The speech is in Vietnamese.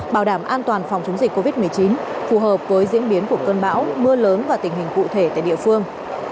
bảo đảm an toàn phòng chống dịch covid một mươi chín phù hợp với diễn biến của cơn bão mưa lớn và tình hình cụ thể tại địa phương